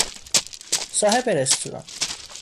صاحب رستوران